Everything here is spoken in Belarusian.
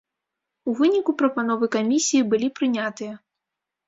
У выніку прапановы камісіі былі прынятыя.